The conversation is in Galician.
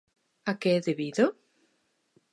¿A que é debido?